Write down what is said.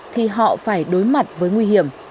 thì họ phải đối mặt với nguy hiểm